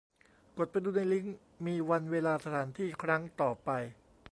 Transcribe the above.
กดไปดูในลิงก์ มีวันเวลาสถานที่ครั้งต่อไป